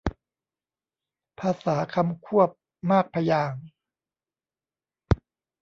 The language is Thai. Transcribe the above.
ภาษาคำควบมากพยางค์